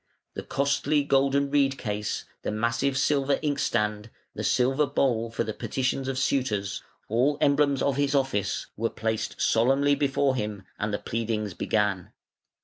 The costly golden reed case, the massive silver inkstand, the silver bowl for the petitions of suitors, all emblems of his office, were placed solemnly before him, and the pleadings began.